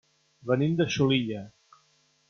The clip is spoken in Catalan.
Venim de Xulilla.